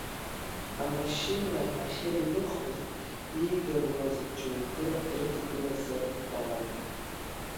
Амашьына ахьеилыхоз, иидыруаз џьоукы дрыдгылазар ҟалон.